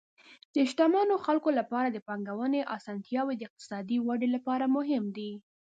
د شتمنو خلکو لپاره د پانګونې اسانتیاوې د اقتصادي ودې لپاره مهم دي.